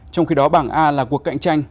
trong khi đó bảng a là cuộc cạnh tranh